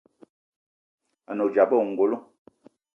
A ne odzap ayi ongolo.